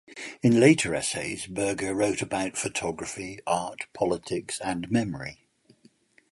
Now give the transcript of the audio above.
In later essays, Berger wrote about photography, art, politics, and memory.